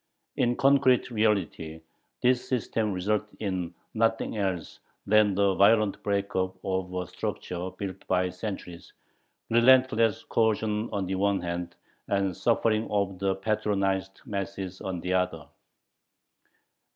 In concrete reality this system resulted in nothing else than the violent break up of a structure built by centuries, relentless coercion on the one hand and suffering of the patronized masses on the other.